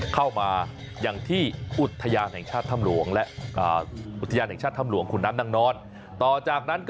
เข้ามาอย่างที่อุโธยานแห่งชาติธรรมหลวงและอย่างแห่งชาติธรรมหลวงคุณตั้งนอนต่อจากนั้นก็